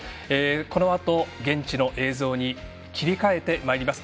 このあと、現地の映像に切り替えてまいります。